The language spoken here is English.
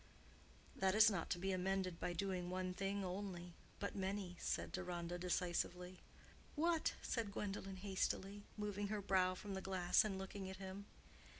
"That is not to be amended by doing one thing only—but many," said Deronda, decisively. "What?" said Gwendolen, hastily, moving her brow from the glass and looking at him.